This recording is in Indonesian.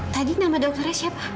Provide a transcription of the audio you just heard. tadi nama dokternya siapa